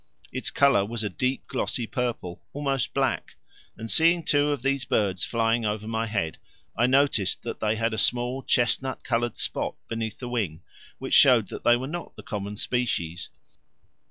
Its colour was a deep glossy purple, almost black; and seeing two of these birds flying over my head, I noticed that they had a small chestnut coloured spot beneath the wing, which showed that they were not the common species.